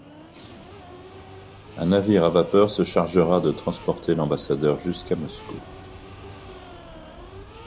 Un navire à vapeur se chargera de transporter l'ambassadeur jusqu'à Moscou.